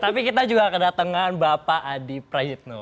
tapi kita juga kedatangan bapak adi prayitno